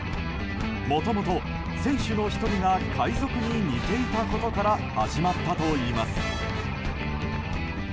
もともと選手の１人が海賊に似ていたことから始まったといいます。